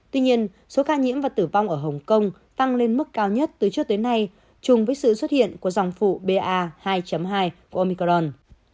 tuy nhiên số ca nhiễm và tử vong ở hồng kông tăng lên mức cao nhất từ trước tới nay chung với sự xuất hiện của dòng phụ ba hai của omicron